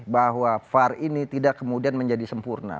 bahwa var ini tidak kemudian menjadi sempurna